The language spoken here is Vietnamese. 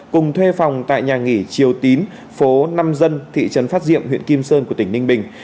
cùng thuê phòng tại nhà nghỉ triều tín phố năm dân thị trấn phát diệm huyện kim sơn của tỉnh ninh bình